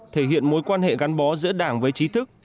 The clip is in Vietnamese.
thể hiện mối quan hệ gắn bó giữa đảng với trí thức